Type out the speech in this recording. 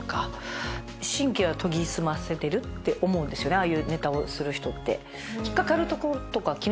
ああいうネタをする人って。